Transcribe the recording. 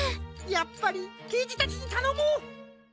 やっぱりけいじたちにたのもう！